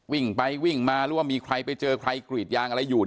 วิ่งไปวิ่งมาหรือว่ามีใครไปเจอใครกรีดยางอะไรอยู่